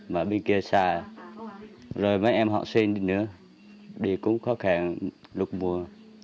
mà bên kia xa rồi mấy em họ xuyên đi nữa thì cũng khó khăn lúc mùa